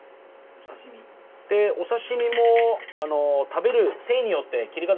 お刺身も食べる繊維によって切り方